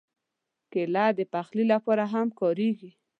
کېله د پخلي لپاره هم کارېږي.